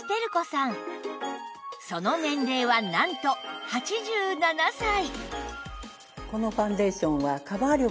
その年齢はなんと８７歳！